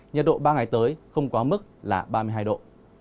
nhiệt độ ba ngày tới không quá mức là ba mươi hai độ